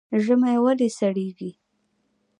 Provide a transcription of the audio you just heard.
ژمی ولې سړیږي؟